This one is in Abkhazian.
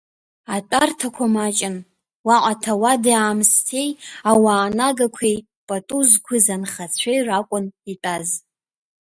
Атәарҭақәа маҷын, уаҟа ҭауади-аамысҭеи, ауаа нагақәеи, пату зқәыз анхацәеи ракәын итәаз.